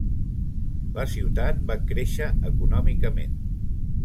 La ciutat va créixer econòmicament.